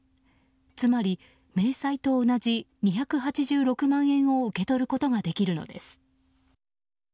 つまり明細と同じ２８６万円を受け取ることができるのです。